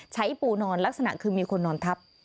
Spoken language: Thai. ปูนอนลักษณะคือมีคนนอนทับ